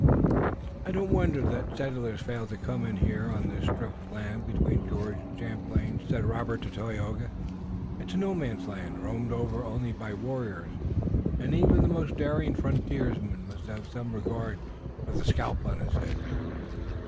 "I don't wonder that the settlers fail to come in here on this strip of land between George and Champlain," said Robert to Tayoga. "It's a No Man's land, roamed over only by warriors, and even the most daring frontiersman must have some regard for the scalp on his head."